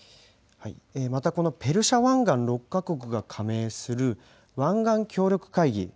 またこのペルシャ湾岸６か国が加盟する湾岸協力会議。